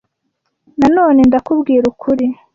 na none ndakubwira ukuri